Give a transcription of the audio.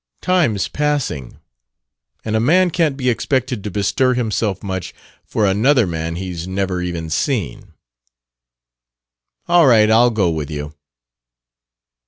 Time's passing. And a man can't be expected to bestir himself much for another man he's never even seen." "All right. I'll go with you."